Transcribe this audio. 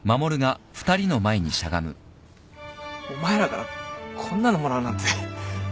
お前らからこんなのもらうなんて。